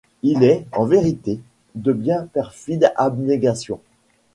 Il est, en vérité, de bien perfides abnégations.